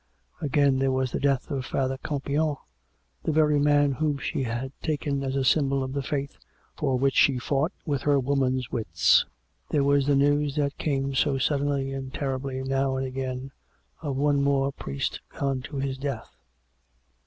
Again, there was the death of Father Campion — the very man whom she had taken as a symbol of the Faith for which she fought with her woman's wits; there was the news that came so sud denly and terribly now and again, of one more priest gone to his death.